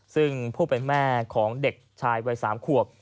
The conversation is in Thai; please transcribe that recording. ซึ่งผู้เป็นแม่ของเด็กชายวัย๓ขวบ